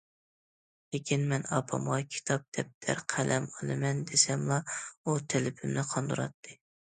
لېكىن مەن ئاپامغا كىتاب، دەپتەر، قەلەم ئالىمەن دېسەملا، ئۇ تەلىپىمنى قاندۇراتتى.